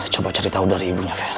coba cari tahu dari ibunya